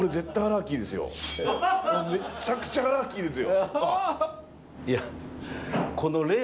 めちゃくちゃアラーキーですよ。